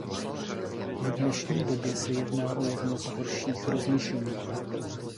V dnešní době se jedná o jedno z horších rozlišení.